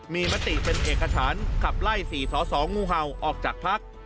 มีมัตติเป็นเอกชั้นขับไล่ศรีสอสองูเห่าออกจากพักษ์